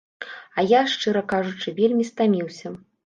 А я, шчыра кажучы, вельмі стаміўся.